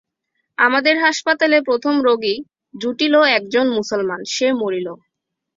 আমাদের হাসপাতালে প্রথম রোগী জুটিল একজন মুসলমান, সে মরিল।